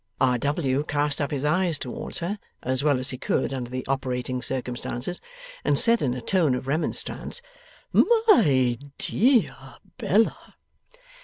R. W. cast up his eyes towards her, as well as he could under the operating circumstances, and said in a tone of remonstrance, 'My de ar Bella!